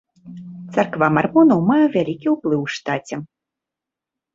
Царква мармонаў мае вялікі ўплыў у штаце.